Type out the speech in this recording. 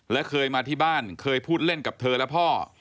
และเคยมาที่บ้านเคยพูดเล่นกับเธอและพ่อ